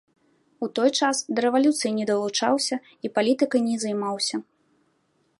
У той час да рэвалюцыі не далучаўся і палітыкай не займаўся.